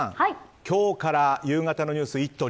今日から夕方のニュース「イット！」